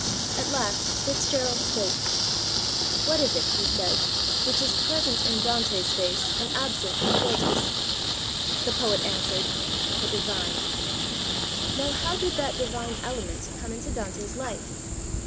At last FitzGerald spoke. 'What is it,' he asked, 'which is present in Dante's face and absent from Goethe's?' The poet answered, 'The divine!' Now how did that divine element come into Dante's life?